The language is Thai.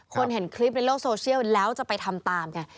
เห็นคลิปในโลกโซเชียลแล้วจะไปทำตามไง